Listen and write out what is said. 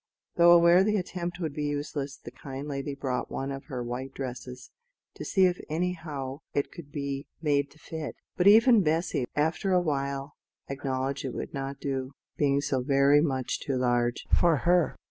Though aware the attempt would be useless, the kind lady brought one of her white dresses, to see if anyhow it could be made to fit; but even Bessy, after a while, acknowledged it would not do, being so very much too large for her.